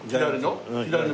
左の？